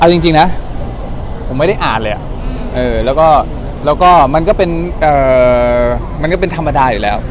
เอาจริงนะผมไม่ได้อ่านเลยแล้วก็มันก็เป็นมันก็เป็นธรรมดาอยู่แล้ว